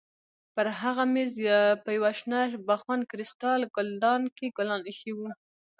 پر هغه مېز په یوه شنه بخون کریسټال ګلدان کې ګلان ایښي وو.